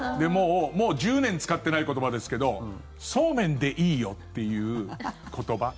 もう１０年使ってない言葉ですけどそうめんでいいよっていう言葉。